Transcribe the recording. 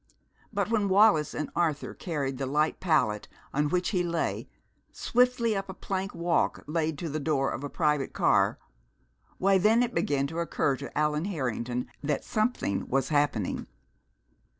But when Wallis and Arthur carried the light pallet on which he lay swiftly up a plank walk laid to the door of a private car why then it began to occur to Allan Harrington that something was happening.